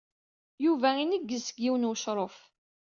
Yuba ineggez seg yiwen n ucṛuf.